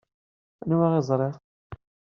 Anwa i ẓṛiɣ?